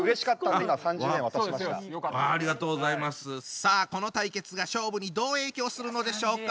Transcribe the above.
さあこの対決が勝負にどう影響するのでしょうか！